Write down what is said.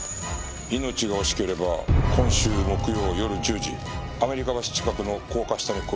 「命が惜しければ今週木曜夜１０時アメリカ橋近くの高架下に来い」